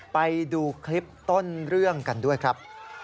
ไปดูคลิปต้นเรื่องกันด้วยครับ